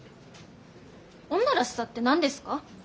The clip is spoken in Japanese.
女らしさって何ですか？